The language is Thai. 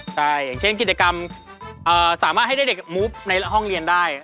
ใช่อย่างเช่นกิจกรรมสามารถให้ได้เด็กมุฟในห้องเรียนได้